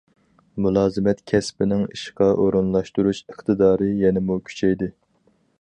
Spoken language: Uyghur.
مۇلازىمەت كەسپىنىڭ ئىشقا ئورۇنلاشتۇرۇش ئىقتىدارى يەنىمۇ كۈچەيدى.